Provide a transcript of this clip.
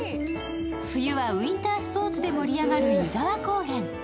冬はウインタースポーツで盛り上がる湯沢高原。